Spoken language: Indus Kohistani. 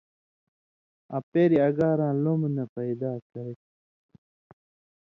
آں پېریۡ اگاراں لومبہۡ نہ پیدا کرچھی۔